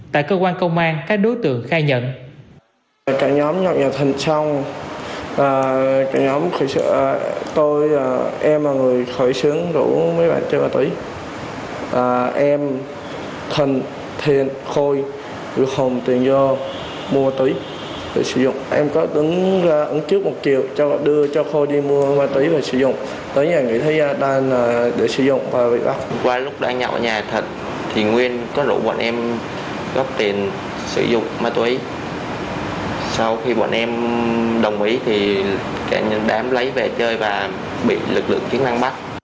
tại cơ quan công an các đối tượng khai nhận